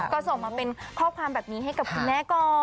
ก็ส่งมาเป็นข้อความแบบนี้ให้กับคุณแม่ก่อน